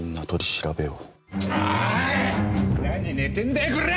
何寝てんだよこら！